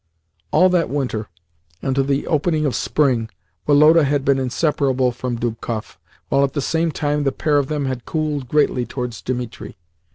All that winter, until the opening of spring, Woloda had been inseparable from Dubkoff, while at the same time the pair of them had cooled greatly towards Dimitri.